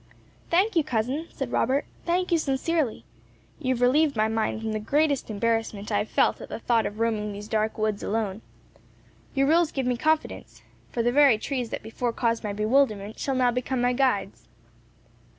"Thank you, cousin," said Robert; "thank you sincerely. You have relieved my mind from the greatest embarrassment I have felt at the thought of roaming these dark woods alone. Your rules give me confidence; for the very trees that before caused my bewilderment shall now become my guides."